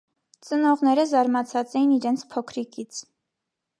Ծնողները զարմացած էին իրենց փոքրիկից։